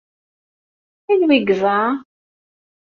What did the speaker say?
Anwa ay yeẓra?